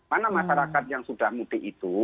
mana masyarakat yang sudah mudik itu